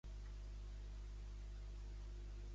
El seu cognom és Peral: pe, e, erra, a, ela.